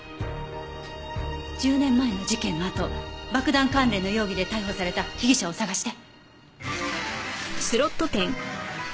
１０年前の事件のあと爆弾関連の容疑で逮捕された被疑者を探して。